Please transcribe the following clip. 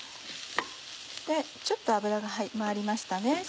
ちょっと油が回りましたね。